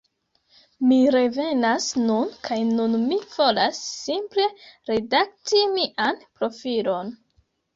Mi revenas nun kaj nun mi volas simple redakti mian profilon